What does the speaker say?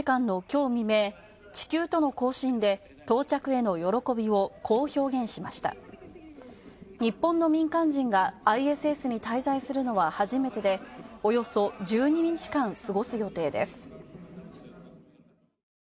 日本の民間人がＩＳＳに滞在するのは初めてでおよそ１２日間過ごす予定です。